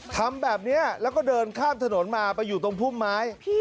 ทำแบบนี้แล้วก็เดินข้ามถนนมาไปอยู่ตรงพุ่มไม้